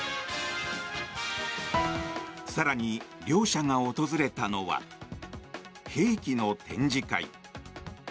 更に、両者が訪れたのは兵器の展示会。